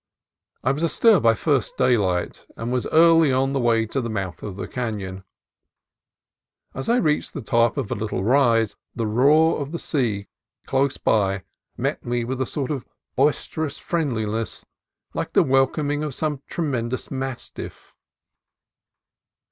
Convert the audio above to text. I was astir by first daylight, and was early on the way to the mouth of the canon. As I reached the top of a little rise, the roar of the sea close by met me with a sort of boisterous friendliness, like the wel come of some tremendous mastiff.